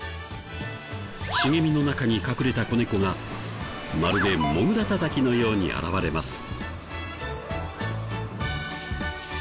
茂みの中に隠れた子猫がまるでモグラたたきのように現れます。